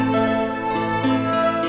sampai jumpa lagi